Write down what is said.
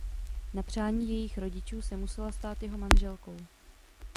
Na přání jejich rodičů se musela stát jeho manželkou.